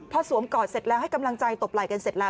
พอสวมกอดเสร็จแล้วให้กำลังใจตบไหล่กันเสร็จแล้ว